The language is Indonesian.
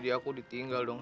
iya udah sayang